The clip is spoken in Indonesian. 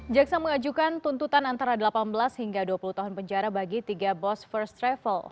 jaksa mengajukan tuntutan antara delapan belas hingga dua puluh tahun penjara bagi tiga bos first travel